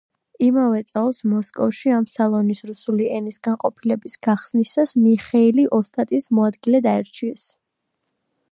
იმავე წელს, მოსკოვში, ამ სალონის რუსული ენის განყოფილების გახსნისას მიხეილი ოსტატის მოადგილედ აირჩიეს.